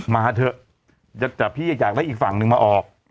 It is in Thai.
มาเถอะแต่พี่อยากได้อีกฝั่งนึงมาออก